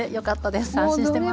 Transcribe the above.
安心してます。